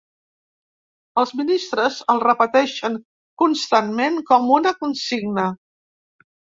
Els ministres el repeteixen constantment com una consigna.